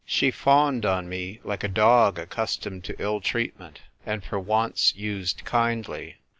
She fawned on me like a dog accustomed to ill treatment, and for once used kindly.